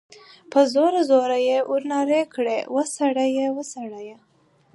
په زوره، زوره ئی ورباندي نارې کړې ، وسړیه! وسړیه!